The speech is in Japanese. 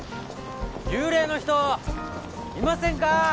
幽霊の人いませんか？